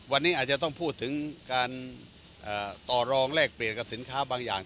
วันนี้อาจจะต้องพูดถึงการต่อรองแลกเปลี่ยนกับสินค้าบางอย่าง